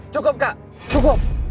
cukup kak cukup